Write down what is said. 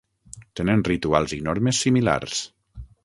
Tenen rituals i normes similars.